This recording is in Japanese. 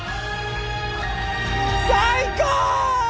最高！